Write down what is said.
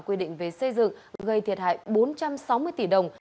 quy định về xây dựng gây thiệt hại bốn trăm sáu mươi tỷ đồng